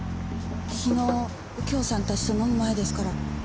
昨日右京さんたちと飲む前ですから７時過ぎです。